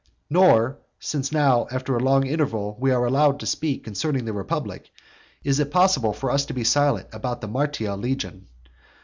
III. Nor (since now after a long interval we are allowed to speak concerning the republic) is it possible for us to be silent about the Martial legion.